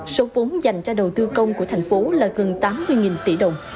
số vốn dành cho đầu tư công của thành phố là gần một triệu đồng